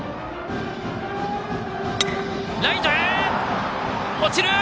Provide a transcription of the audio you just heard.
ライトへ落ちた！